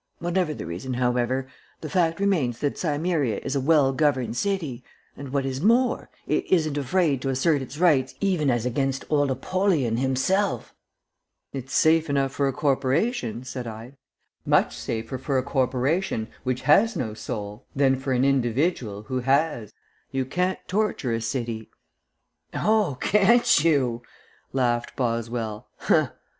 "Whatever the reason, however, the fact remains that Cimmeria is a well governed city, and, what is more, it isn't afraid to assert its rights even as against old Apollyon himself." "It's safe enough for a corporation," said I. "Much safer for a corporation which has no soul, than for an individual who has. You can't torture a city " "Oh, can't you!" laughed Boswell.